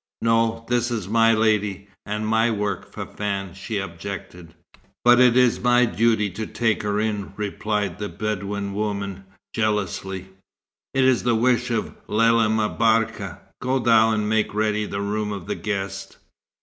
"No, this is my lady, and my work, Fafann," she objected. "But it is my duty to take her in," replied the Bedouin woman, jealously. "It is the wish of Lella M'Barka. Go thou and make ready the room of the guest."